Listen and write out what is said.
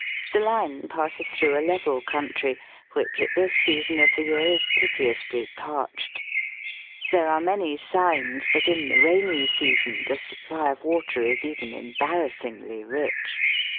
The line passes through a level country, which at this season of the year is piteously parched. There are many signs that in the rainy season the supply of water is even embarrassingly rich.